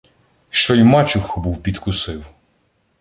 Що й мачуху був підкусив.